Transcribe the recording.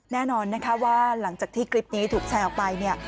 แน่นอนนะคะว่าหลังจากที่คลิปนี้ถูกแชร์ออกไปเนี่ย